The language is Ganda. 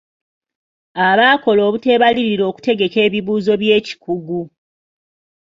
Abaakola obuteebalirira okutegeka ebibuuzo eby’ekikugu.